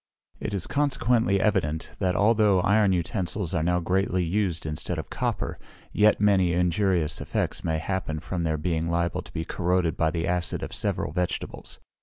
It is consequently evident, that although iron utensils are now greatly used instead of copper, yet many injurious effects may happen from their being liable to be corroded by the acid of several vegetables.